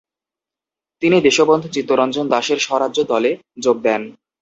তিনি দেশবন্ধু চিত্তরঞ্জন দাশের স্বরাজ্য দলে যোগ দেন।